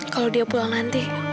kalau dia pulang nanti